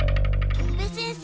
戸部先生！